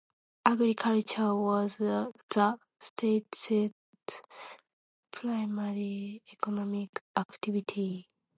Agriculture was the state's primary economic activity.